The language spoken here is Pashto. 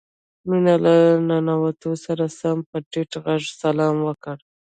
مينې له ننوتو سره سم په ټيټ غږ سلام وکړ.